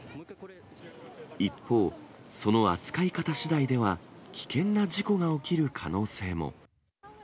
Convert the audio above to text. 一方、その扱い方しだいでは、危険な事故が起きる可能性も。